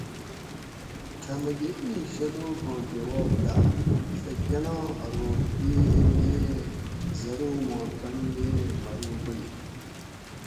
تھہۤ مکۤہ اِیں شلوک آں جواب داۤ سہۤ کۤنا ارو دییٔر یئ ایں زرو ما تانی یئ ایں مرو بلیم